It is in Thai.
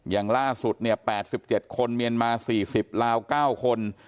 อย่างล่าสุดเนี่ย๘๗คนเมียนมา๔๐ลาว๙คน